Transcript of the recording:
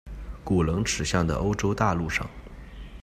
古棱齿象的欧洲大陆上。